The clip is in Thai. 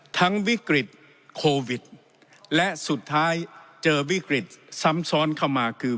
วิกฤตโควิดและสุดท้ายเจอวิกฤตซ้ำซ้อนเข้ามาคือ